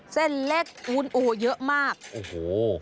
เส้นเล็กปูนอูเยอะมากโอ้โห